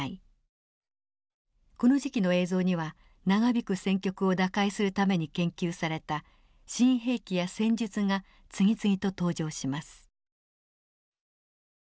この時期の映像には長引く戦局を打開するために研究された新兵器や戦術が次々と登場します。